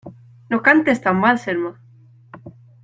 ¡No cantes tan mal, Selma!